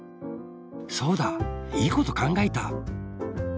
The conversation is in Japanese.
そうだいいことかんがえた！